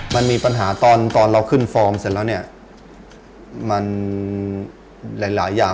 มันมีปัญหาตอนขึ้นฟอร์มเสร็จแล้วเนี่ยมันหลายอย่าง